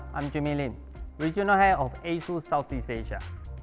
hai semuanya saya jimmy lin ketua bumah asus asia tenggara